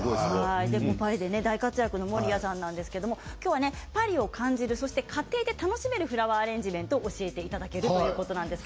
パリで大活躍の守屋さんですが今日はパリを感じる家庭で楽しめるフラワーアレンジメントを教えていただけるということです。